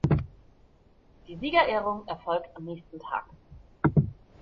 Die Siegerehrung erfolgt am nächsten Tag.